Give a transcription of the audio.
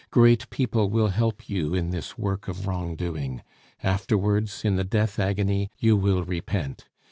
Great people will help you in this work of wrongdoing. Afterwards in the death agony you will repent.